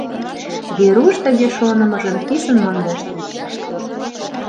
Веруш тыге шонымыжым писын мондаш тӧча.